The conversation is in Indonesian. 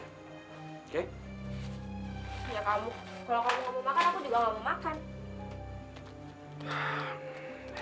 ya kamu kalau kamu gak mau makan aku juga gak mau makan